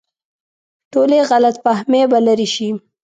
ټولې غلط فهمۍ به لرې شي.